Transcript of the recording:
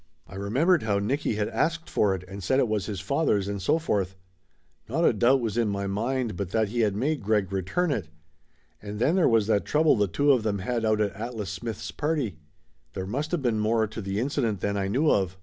I remembered how Nicky had asked for it and said it was his father's and so forth. Not a doubt was in my mind but that he had made Greg re turn it. And then there was that trouble the two of them had out at Atlas Smith's party. There must of been more to the incident than I knew of.